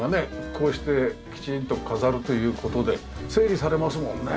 こうしてきちんと飾るという事で整理されますもんね。